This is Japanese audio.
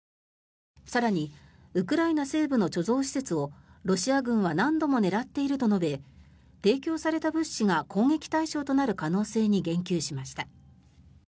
更にウクライナ西部の貯蔵施設をロシア軍は何度も狙っていると述べ提供された物資が攻撃対象となる可能性に言及しました。